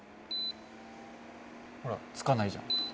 ほらつかないじゃん。